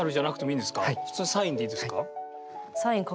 普通のサインでいいんですか。